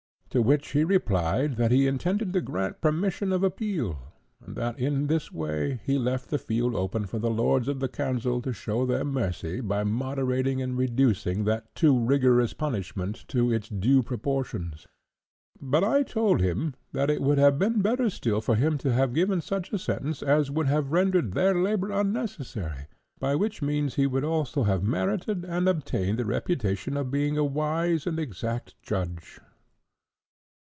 To which he replied that he intended to grant permission of appeal, and that in this way he left the field open for the Lords of the Council to show their mercy by moderating and reducing that too rigorous punishment to its due proportions. But I told him it would have been still better for him to have given such a sentence as would have rendered their labour unnecessary, by which means he would also have merited and obtained the reputation of being a wise and exact judge."